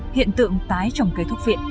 hiện tượng tái trồng cây thúc viện